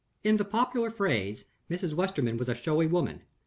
In the popular phrase, Mrs. Westerfield was a showy woman.